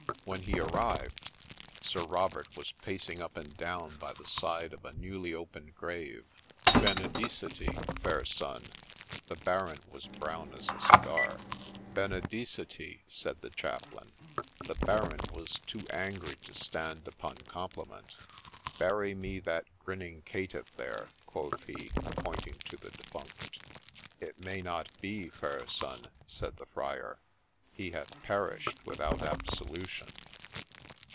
When he arrived, Sir Robert was pacing up and down by the side of a newly opened grave. ' Senedicite ! fair son,' — (the Baron was as brown as a cigar,) —' Benfdicite !' said the Chaplain. The Baron was too angry to stand upon compliment. ' Bury me that grinning caitiff there !' quoth he, pointing to the defunct. ' It may not be, fair son,' said the Friar ;' he hath perished without absolution.'